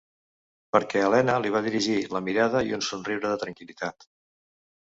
Perquè l'Helena li va dirigir la mirada i un somriure de tranquil·litat.